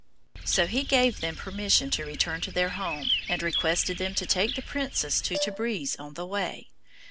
So he gave them permission to return to their home, and requested them to take the princess to Tabriz on the way.